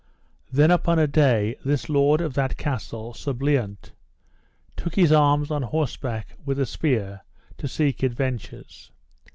Then upon a day this lord of that castle, Sir Bliant, took his arms, on horseback, with a spear, to seek adventures.